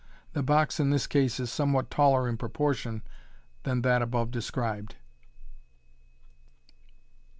The box in this case is somewhat taller in pro portion than that above described.